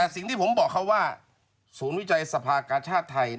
สิ่งที่ผมบอกเขาว่าศูนย์วิจัยสภากาชาติไทย